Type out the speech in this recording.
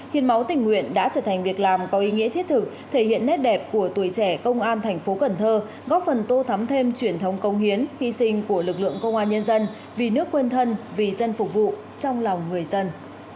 hiến máu tình nguyện đã trở thành việc làm có ý nghĩa thiết thực thể hiện nét đẹp của tuổi trẻ công an thành phố cần thơ góp phần tô thắm thêm truyền thống công hiến hy sinh của lực lượng công an nhân dân vì nước quên thân vì dân phục vụ trong lòng người dân